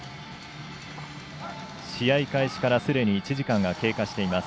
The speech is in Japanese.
試合開始からすでに１時間が経過しています。